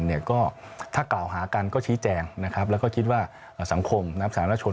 เนี่ยก็ถ้ากล่าวหากันก็ชี้แจงนะครับแล้วก็คิดว่าสังคมน้ำสาธารณชน